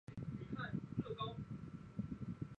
富尼兰迪亚是巴西米纳斯吉拉斯州的一个市镇。